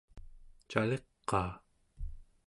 cali-qaa?